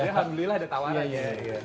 alhamdulillah ada tawaran